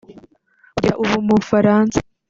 Kugera ubu mu Bufaransa